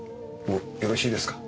もうよろしいですか。